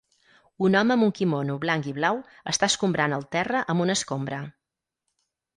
Un home amb un quimono blanc i blau està escombrant el terra amb una escombra.